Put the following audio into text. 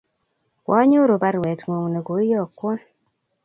Kwanyoru parwet ng'ung' ne koiyokwon